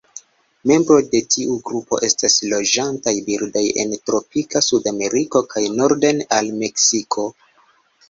Membroj de tiu grupo estas loĝantaj birdoj en tropika Sudameriko kaj norden al Meksiko.